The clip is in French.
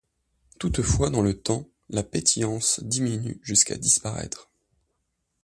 Toutefois, dans le temps, la pétillance diminue jusqu'à disparaitre.